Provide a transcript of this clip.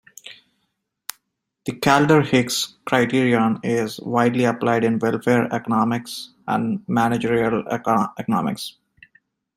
The Kaldor-Hicks criterion is widely applied in welfare economics and managerial economics.